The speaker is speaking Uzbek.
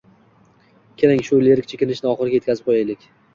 Keling, shu lirik chekinishni oxiriga yetkazib qoʻyaylik.